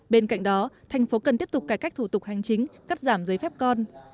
bên cạnh đó thành phố cần tiếp tục cải cách thủ tục hành chính cắt giảm giấy phép con